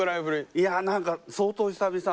いや何か相当久々。